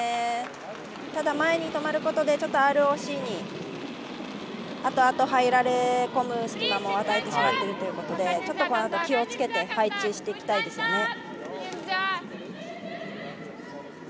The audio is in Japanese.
ただ、前に止まることでＲＯＣにあとあと、入られこむ隙間も与えてしまっているということでちょっとこのあと気をつけて配置していきたいですね。